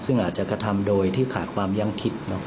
ซึ่งอาจจะกระทำโดยที่ขาดความยังคิด